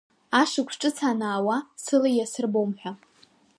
Ашықәс ҿыц анаауа сыла иасырбом ҳәа.